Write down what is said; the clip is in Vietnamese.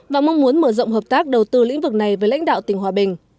và mong muốn mở rộng hợp tác đầu tư lĩnh vực này với lãnh đạo tỉnh hòa bình